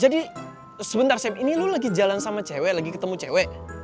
jadi sebentar sebentar ini lo lagi jalan sama cewek lagi ketemu cewek